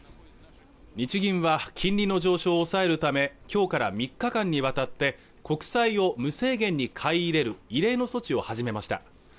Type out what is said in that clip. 日銀は金利の上昇を抑えるため今日から３日間にわたって国債を無制限に買い入れる異例の措置を始めました